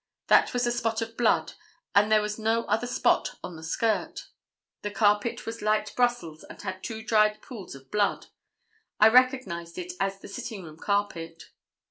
That was a spot of blood, and there was no other spot on the skirt. The carpet was light Brussels and had two dried pools of blood. I recognized it as the sitting room carpet.